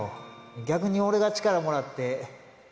逆に俺が力もらって。